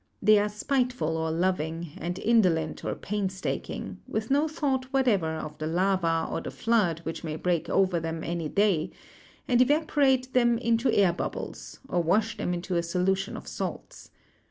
They are spiteful or loving, and indolent or painstaking, with no thought whatever of the lava or the flood which may break over them any day ; and evaporate them into air bubbles, or wash them into a solution of salts.